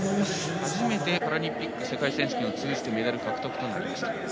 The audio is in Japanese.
初めてパラリンピック世界選手権を通じてメダル獲得となりました。